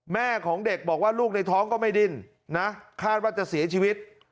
แม่ของเด็กบอกว่าลูกในท้องก็ไม่ดิ้นนะคาดว่าจะเสียชีวิต